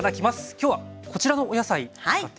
今日はこちらのお野菜使っていくわけですね。